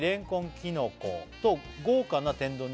きのこと豪華な天丼に」